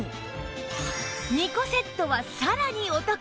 ２個セットはさらにお得